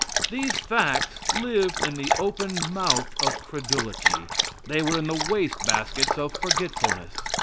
These facts lived in the open mouth of credulity. They were in the wastebaskets of forgetfulness.